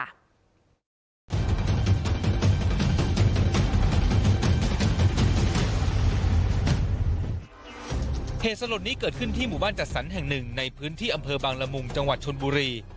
เหตุสลดนี้เกิดขึ้นที่หมู่บ้านจัดสรรแห่งหนึ่งในพื้นที่อำเภอบางละมุงจังหวัดชนบุรี